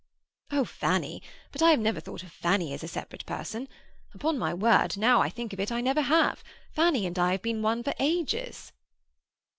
"Oh, Fanny! But I have never thought of Fanny as a separate person. Upon my word, now I think of it, I never have. Fanny and I have been one for ages."